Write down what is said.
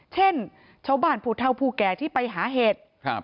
เช่นเช้าบ้านผูตเทาผูแก่ที่ไปหาเหตุ